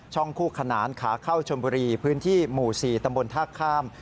คู่ขนานขาเข้าชนบุรีพื้นที่หมู่๔ตำบลท่าข้าม